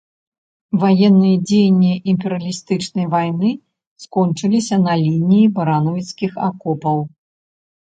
Ваенныя дзеянні імперыялістычнай вайны скончыліся на лініі баранавіцкіх акопаў.